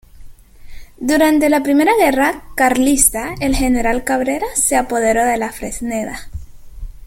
Durante la primera guerra Carlista, el general Cabrera se apoderó de la Fresneda.